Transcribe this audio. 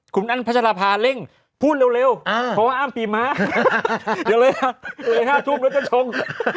คุณอั้นพัชรภาเร่งพูดเร็วเพราะว่าอ้ำปีม้าเดี๋ยวเลย๕ทุ่มแล้วจะชง